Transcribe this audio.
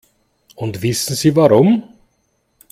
Und wissen Sie warum?